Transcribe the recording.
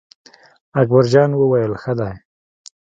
اکبر جان وویل: ښه دی.